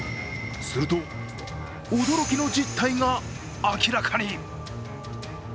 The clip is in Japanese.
すると、驚きの実態が明らかに。